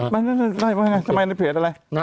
ไม่ทำไมในเพจอะไร